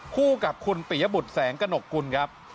คู่กับคุณปิยบุตรแสงกระหนกกุลครับ